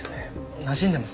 なじんでますよ